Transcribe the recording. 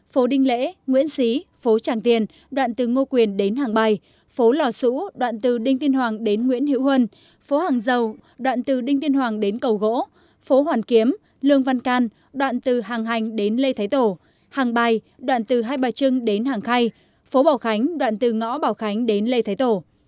phố đinh lễ nguyễn xí phố tràng tiền đoạn từ ngô quyền đến hàng bài phố lò sũ đoạn từ đinh tiên hoàng đến nguyễn hiệu huân phố hàng dầu đoạn từ đinh tiên hoàng đến cầu gỗ phố hoàn kiếm lương văn can đoạn từ hàng hành đến lê thái tổ hàng bài đoạn từ hai bà trưng đến hàng khay phố bảo khánh đoạn từ ngõ bảo khánh đến lê thái tổ